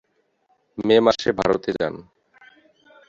মে মাসে ভারতে যান।